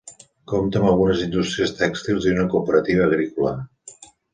Compta amb algunes indústries tèxtils i una Cooperativa agrícola.